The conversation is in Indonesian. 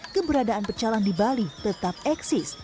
keberadaan pecalang di bali tetap eksis